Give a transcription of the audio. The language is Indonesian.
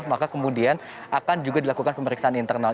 maka kemudian akan juga dilakukan pemeriksaan internal